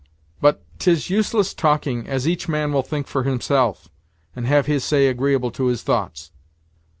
But, 't is useless talking, as each man will think fir himself, and have his say agreeable to his thoughts.